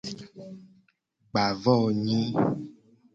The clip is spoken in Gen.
Gba vo nyi.